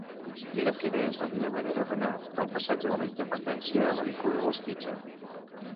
Mira'm quina és la millor manera d'anar del passatge de la Independència a l'avinguda dels Quinze.